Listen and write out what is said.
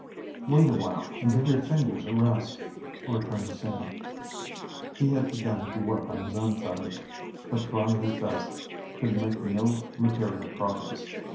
"Wait a while and give your fingers a rest," returned Sam. He had begun work on his own fetters, but try his best could make no material progress.